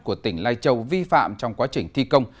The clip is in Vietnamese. của tỉnh lai châu vi phạm trong quá trình thi công